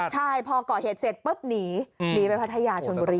ใช่พอก่อเหตุเสร็จปุ๊บหนีหนีไปพัทยาชนบุรี